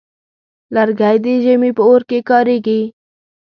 لرګی د ژمي په اور کې کارېږي.